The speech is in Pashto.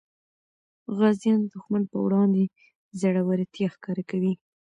غازیان د دښمن په وړاندې زړورتیا ښکاره کوي.